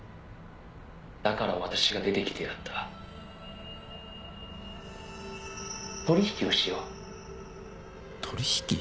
「だから私が出てきてやった」「取引をしよう」取引？